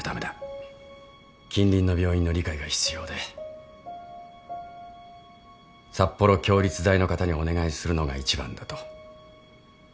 近隣の病院の理解が必要で札幌共立大の方にお願いするのが一番だと。